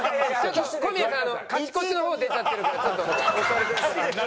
小宮さん『カチコチ』の方出ちゃってるんでちょっとお座りください。